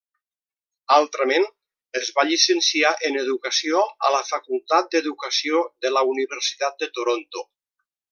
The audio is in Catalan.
Altrament, es va llicenciar en Educació a la Facultat d'Educació de la Universitat de Toronto.